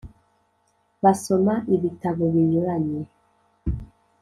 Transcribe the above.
basoma ibitabo binyuranye,